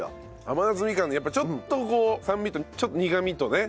甘夏みかんのやっぱちょっとこう酸味と苦みとね。